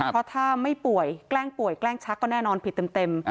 เพราะถ้าไม่ป่วยแกล้งป่วยแกล้งชักก็แน่นอนผิดเต็ม